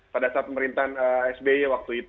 pada saat pemerintahan sby